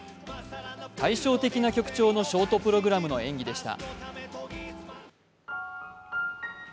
対照的な曲調のショートプログラムの演技でした。